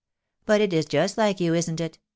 But it is just like you, is'nt it ?